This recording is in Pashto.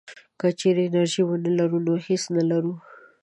که چېرې انرژي ونه لرو نو هېڅ نه لرو.